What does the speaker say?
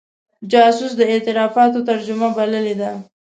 جاسوس د اعترافاتو ترجمه بللې ده.